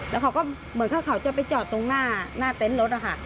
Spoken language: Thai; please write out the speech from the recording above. แล้วเขาก็เหมือนกับเขาจะไปจอดตรงหน้าเต็นต์รถอะค่ะ